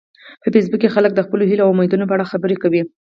په فېسبوک کې خلک د خپلو هیلو او امیدونو په اړه خبرې کوي